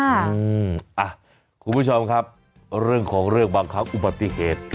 คุณผู้ชมครับเรื่องของเรื่องบังคับอุบัติเหตุ